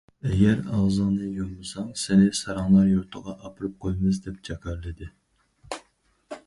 ئەگەر ئاغزىڭنى يۇممىساڭ، سېنى ساراڭلار يۇرتىغا ئاپىرىپ قويىمىز، دەپ جاكارلىدى.